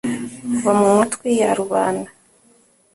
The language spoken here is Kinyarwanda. va mu matwi yaru banda